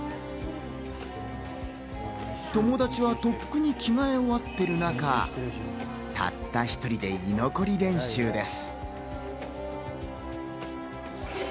友達はとっくに着替え終わっている中、たった１人で居残り練習です。